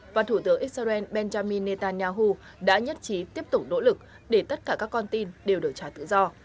và thủ tướng israel benjamin netanyahu đã nhất trí tiếp tục nỗ lực để tất cả các con tin đều được trả tự do